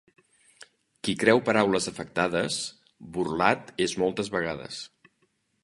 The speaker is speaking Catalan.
Qui creu paraules afectades, burlat és moltes vegades.